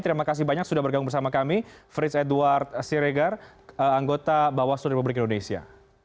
terima kasih banyak sudah bergabung bersama kami frits edward siregar anggota bawaslu republik indonesia